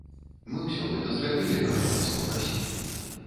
Мы ўсё гэта зрабілі, пра што нас папрасілі.